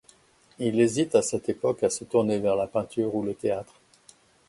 Il hésite à cette époque à se tourner vers la peinture ou le théâtre.